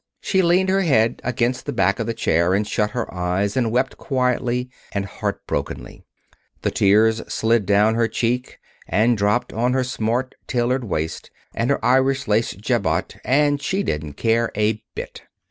She leaned her head against the back of the chair, and shut her eyes and wept quietly and heart brokenly. The tears slid down her cheeks, and dropped on her smart tailored waist and her Irish lace jabot, and she didn't care a bit.